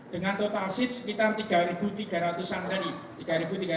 dengan total seat sekitar tiga tiga ratus an tadi